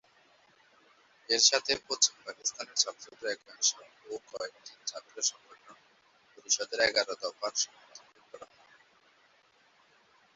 এর সাথে পশ্চিম পাকিস্তানের ছাত্রদের একাংশ ও কয়েকটি ছাত্র সংগঠন পরিষদের এগারো দফার সমর্থনে আন্দোলন করে।